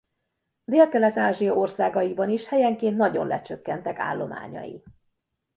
Délkelet-Ázsia országaiban is helyenként nagyon lecsökkentek állományai.